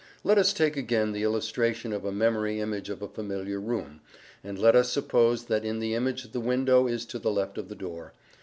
Let us take again the illustration of a memory image of a familiar room, and let us suppose that in the image the window is to the left of the door.